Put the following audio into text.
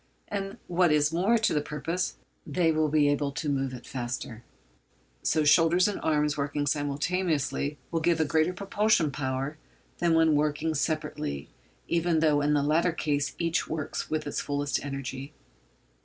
And what is more to the purpose, they will be able to move it faster. So shoulders and arms working simultaneously will give a greater propulsive power than when working separately, even though in the latter case each works with its fullest energy.